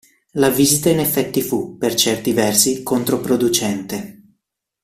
La visita in effetti fu, per certi versi, controproducente.